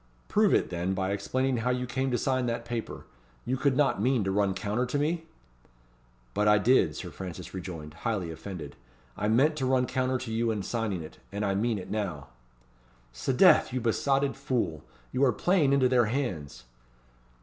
"Prove it, then, by explaining how you came to sign that paper. You could not mean to run counter to me?" "But I did," Sir Francis rejoined, highly offended. "I meant to run counter to you in signing it, and I mean it now." "'Sdeath! you besotted fool, you are playing into their hands!"